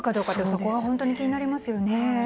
そこが本当に気になりますよね。